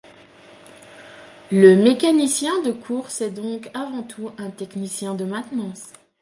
Le mécanicien de course est donc avant tout un technicien de maintenance.